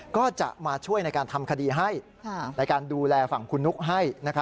ก็จะมาช่วยในการทำคดีให้ในการดูแลฝั่งคุณนุ๊กให้